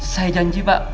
saya janji pak